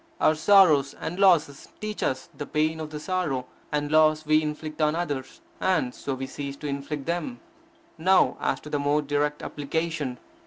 Our sorrows and losses teach us the pain of the sorrow and loss we inflict on others, and so we cease to inflict them. Now as to the more direct application.